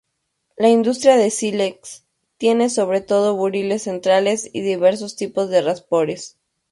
La industria de sílex tiene sobre todo buriles centrales y diversos tipos de raspadores.